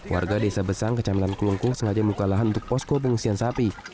warga desa besang kecamelan klung klung sengaja melukakan lahan untuk posko pengungsian sapi